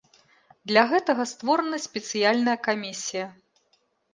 Для гэтага створана спецыяльная камісія.